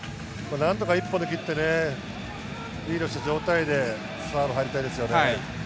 何とか１本だけ打ってね、リードした状態でサーブに入りたいですよね。